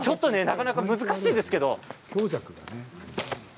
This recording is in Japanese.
なかなか難しいですけれど。